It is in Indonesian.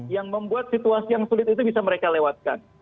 yang membuat situasi yang sulit itu bisa mereka lewatkan